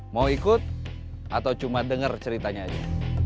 mau ikut atau cuma dengar ceritanya aja